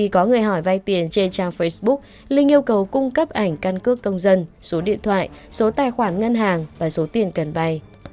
có người hỏi vay tiền trên trang facebook linh yêu cầu cung cấp ảnh căn cước công dân số điện thoại số tài khoản ngân hàng và số tiền cần vay